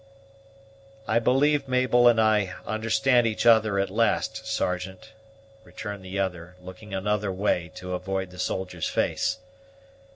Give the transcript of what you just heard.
"I believe Mabel and I understand each other at last, Sergeant," returned the other, looking another way to avoid the soldier's face.